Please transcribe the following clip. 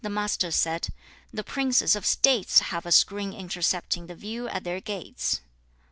Master said, 'The princes of States have a screen intercepting the view at their gates.